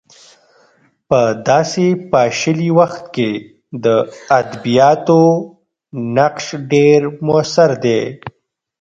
په داسې پاشلي وخت کې د ادبیاتو نقش ډېر موثر دی.